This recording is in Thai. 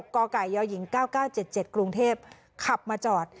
กกยหญิง๙๙๗๗กรุงเทพขับมาจอด